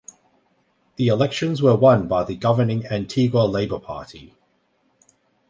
The elections were won by the governing Antigua Labour Party.